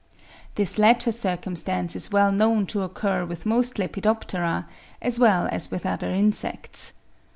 This latter circumstance is well known to occur with most Lepidoptera, as well as with other insects.